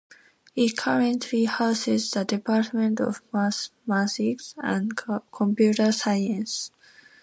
It currently houses the Department of Mathematics and Computer Science.